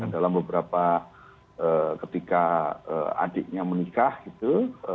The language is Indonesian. dan dalam beberapa ketika adiknya menikah gitu